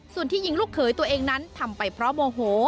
ส่วนที่ยิงลูกเขยตัวเองนั้นทำไปเพราะโมโห